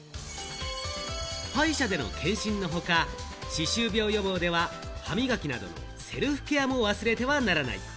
歯医者での検診のほか、歯周病予防では歯磨きなどセルフケアも忘れてはならない。